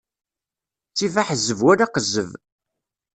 Ttif aḥezzeb wala aqezzeb.